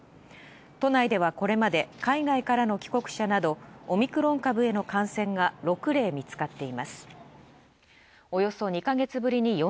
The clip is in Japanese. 都内ではこれまで海外からの帰国者などオミクロン株への感染が６例見つかっています。